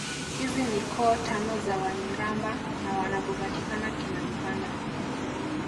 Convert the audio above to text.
Hizi ni koo tano za Wanyiramba na wanapopatikana Kinampanda